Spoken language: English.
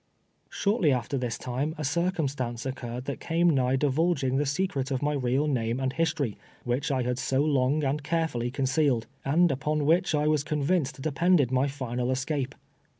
Shortly after this time a circumstance occurred that came nigh divulging the secret of my real name and history, which I had so long and carefully concealed, and upon which I was convinced depended my final escape.